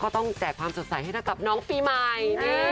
ต้องแจกความสนใสให้ให้ตัดกับน้องฟรีไม้